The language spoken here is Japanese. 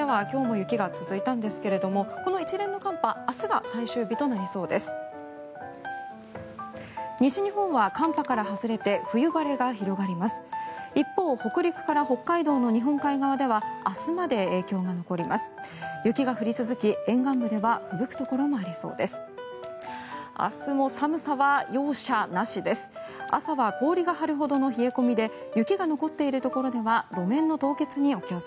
雪が降り続き、沿岸部ではふぶくところもありそうです。